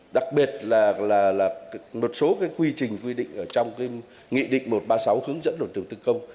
đặc biệt là một số cái quy trình quy định trong cái nghị định một trăm ba mươi sáu hướng dẫn luật đầu tư công